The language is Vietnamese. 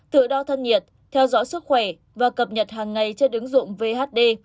tự đo thân nhiệt theo dõi sức khỏe và cập nhật hàng ngày trên ứng dụng vhd